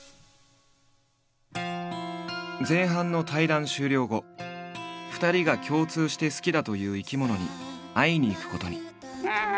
前半の対談終了後２人が共通して好きだという生き物に会いに行くことに。